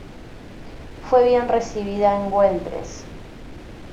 Fue bien recibida en Güeldres.